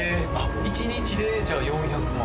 １日でじゃあ４００万